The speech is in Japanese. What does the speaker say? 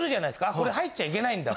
あっこれ入っちゃいけないんだ。